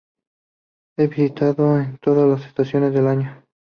Es visitado en todas las estaciones del año.